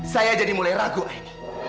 saya jadi mulai ragu ini